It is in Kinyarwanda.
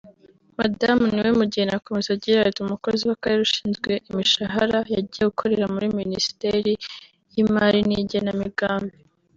Madamu Niwemugeni akomeza agira ati « umukozi w’Akarere ushinzwe imishahara yagiye gukorera muri Minisiteri y’imari n’igenamigambi